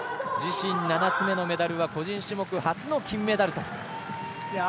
自身７つ目のメダルは個人種目初の金メダル。